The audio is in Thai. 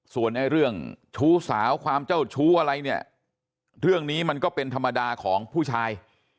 ส่วนเรื่องชู้สาวความเจ้าชู้อะไรเนี่ยเรื่องนี้มันก็เป็นธรรมดาของผู้ชาย